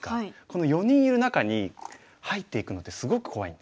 この４人いる中に入っていくのってすごく怖い。